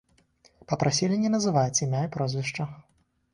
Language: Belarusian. Папрасілі не называць імя і прозвішча.